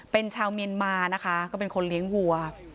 เป็นชาวเมียนมานะคะก็เป็นคนเลี้ยงวัว